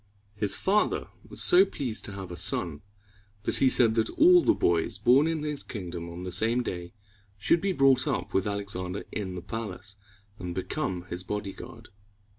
His father was so pleased to have a son, that he said that all the boys born in his kingdom on the same day should be brought up with Alexander in the palace, and become his bodyguard.